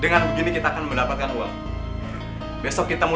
dan kita harus berhenti mencari kebanyakan orang yang bisa mencari kemampuan